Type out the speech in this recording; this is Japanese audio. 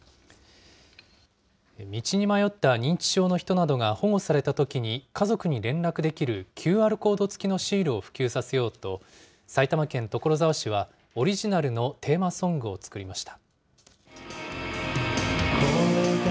道に迷った認知症の人などが保護されたときに家族に連絡できるＱＲコード付きのシールを普及させようと、埼玉県所沢市はオリジナルのテーマソングを作りました。